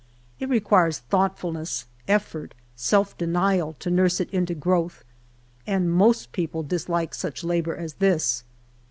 It requires thoughtfulness, effort, self denial, to nurse it into growth, and most people dislike such labor as this.